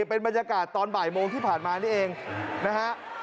เป็นบรรยากาศตอนบ่ายโมงที่ผ่านมานี่เองนะฮะ